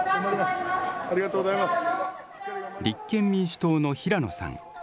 立憲民主党の平野さん。